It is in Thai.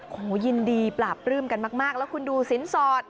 โอ้โหยินดีปราบปลื้มกันมากแล้วคุณดูสินสอด